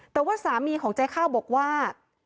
แต่ว่าสามีของเจ๊ข้าวบอกว่า